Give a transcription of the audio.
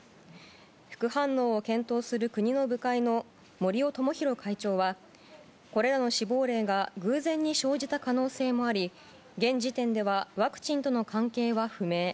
副反応を検討する国の部会の森尾友宏会長はこれらの死亡例が偶然に生じた可能性もあり現時点ではワクチンとの関係は不明。